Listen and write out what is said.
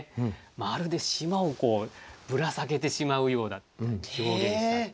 まるで島をぶら下げてしまうようだって表現したっていう。